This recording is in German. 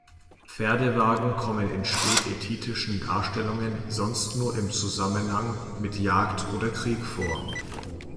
Pferdewagen kommen in späthethitischen Darstellungen sonst nur im Zusammenhang mit Jagd oder Krieg vor.